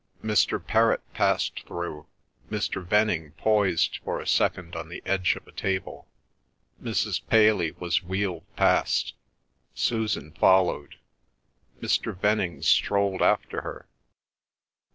Mr. Perrott passed through; Mr. Venning poised for a second on the edge of a table. Mrs. Paley was wheeled past. Susan followed. Mr. Venning strolled after her.